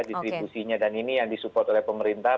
distribusinya dan ini yang disupport oleh pemerintah